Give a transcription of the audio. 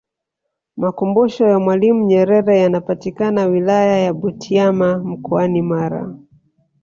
makumbusho ya mwalimu nyerere yanapatika wilaya ya butiama mkoani mara